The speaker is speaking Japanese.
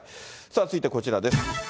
続いてはこちらです。